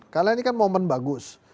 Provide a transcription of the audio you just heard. karena ini kan momen bagus